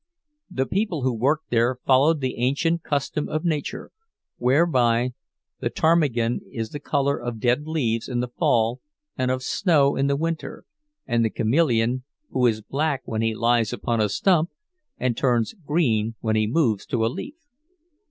The people who worked here followed the ancient custom of nature, whereby the ptarmigan is the color of dead leaves in the fall and of snow in the winter, and the chameleon, who is black when he lies upon a stump and turns green when he moves to a leaf.